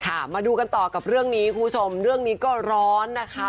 มาดูกันต่อกับเรื่องนี้คุณผู้ชมเรื่องนี้ก็ร้อนนะคะ